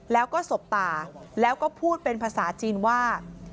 แล้วก็สบตาแล้วก็พูดเป็นภาษาจีนว่า